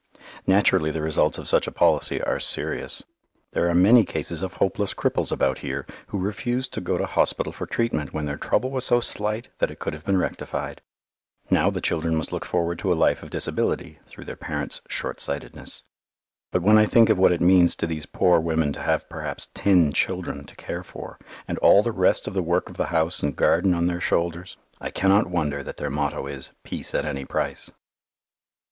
Naturally the results of such a policy are serious. There are many cases of hopeless cripples about here who refused to go to hospital for treatment when their trouble was so slight that it could have been rectified. Now the children must look forward to a life of disability through their parents' short sightedness. But when I think of what it means to these poor women to have perhaps ten children to care for, and all the rest of the work of the house and garden on their shoulders, I cannot wonder that their motto is "peace at any price."